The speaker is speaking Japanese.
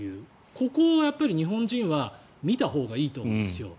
ここを日本人は見たほうがいいと思うんですよ。